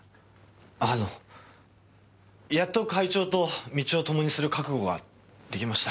あのやっと会長と道を共にする覚悟ができました。